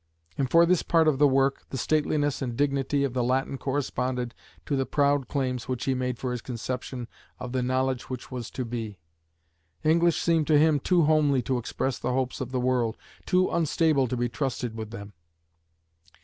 And for this part of the work, the stateliness and dignity of the Latin corresponded to the proud claims which he made for his conception of the knowledge which was to be. English seemed to him too homely to express the hopes of the world, too unstable to be trusted with them.